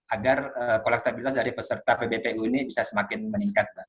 agar kolektabilitas dari peserta pbpu ini bisa semakin meningkat